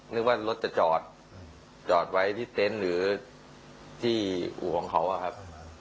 นึกว่ารถจะจอดจอดไว้ที่เต็นต์หรือที่อู่ของเขาอะครับ